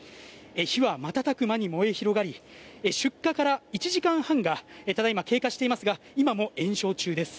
火は、瞬く間に燃え広がり出火から１時間半がただ今、経過していますが今も延焼中です。